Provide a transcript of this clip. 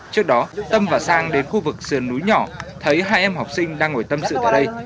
trước đó tâm và sang đến khu vực sườn núi nhỏ thấy hai em học sinh đang ngồi tâm sự tại đây